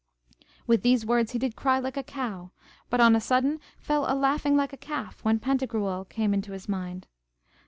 With these words he did cry like a cow, but on a sudden fell a laughing like a calf, when Pantagruel came into his mind.